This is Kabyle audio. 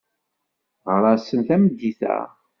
Ɣer-asen tameddit-a.